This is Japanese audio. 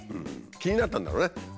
気になったんだろうね。